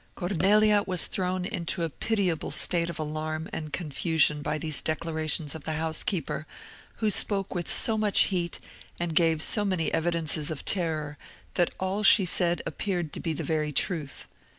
Cornelia was thrown into a pitiable state of alarm and confusion by these declarations of the housekeeper, who spoke with so much heat, and gave so many evidences of terror, that all she said appeared to be the very truth.